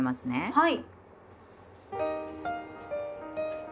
はい。